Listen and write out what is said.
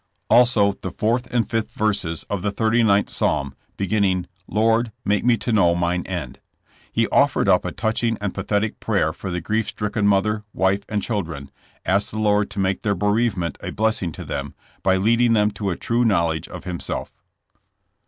Also the fourth and fifth verses of the 39th Psalm, beginning, "Lord, make me to know mine end.'' He offered up a touching and pathetic prayer for the grief stricken mother, wife and chil dren, asked the Lord to make their bereavement a blessing to them, by leading them to a true knowl edge of himself.